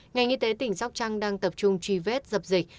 ngành y tế tỉnh sóc trăng đang tập trung truy vết dập dịch